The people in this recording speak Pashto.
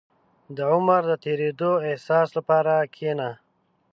• د عمر د تېرېدو احساس لپاره کښېنه.